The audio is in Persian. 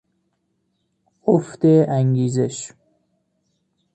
افت انگیزش